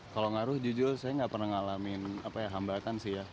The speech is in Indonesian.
kalau ngaruh jujur saya nggak pernah ngalamin hambatan sih ya